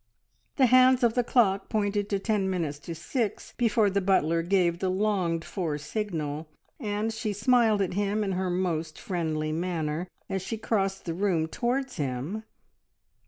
The hands of the clock pointed to ten minutes to six before the butler gave the longed for signal, and she smiled at him in her most friendly manner as she crossed the room towards him.